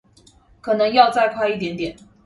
可能要再快一點點